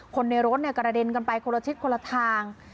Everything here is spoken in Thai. คนในรถกระเด็นกันไปคนละทิศคนละทาง